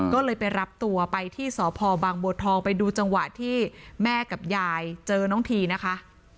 ก็เลยไปรับตัวไปที่สพบางบัวทองไปดูจังหวะที่แม่กับยายเจอน้องทีนะคะ